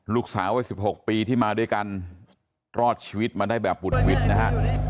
ลูกสาววัย๑๖ปีที่มาด้วยกันรอดชีวิตมาได้แบบบุดหวิดนะฮะ